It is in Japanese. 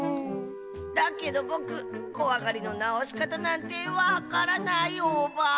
だけどぼくこわがりのなおしかたなんてわからないオバ。